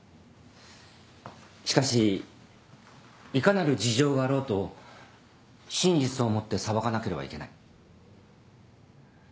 しかしいかなる事情があろうと真実を持って裁かなければいけない。